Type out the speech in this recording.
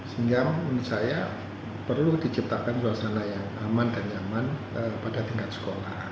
sehingga menurut saya perlu diciptakan suasana yang aman dan nyaman pada tingkat sekolah